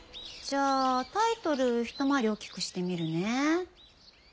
じゃあタイトル一回り大きくしてみるね。